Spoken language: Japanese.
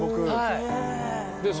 はい。